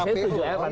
saya setuju elvan